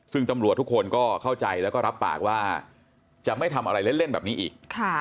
ซึ่งตำรวจทุกคนก็เข้าใจแล้วก็รับปากว่าจะไม่ทำอะไรเล่นแบบนี้อีก